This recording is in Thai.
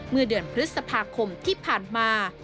เมื่อเดือนพฤษภาคมที่ผ่านมา